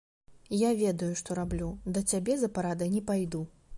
Я ведаю, што раблю, да цябе за парадай не пайду.